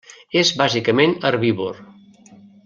És bàsicament herbívor.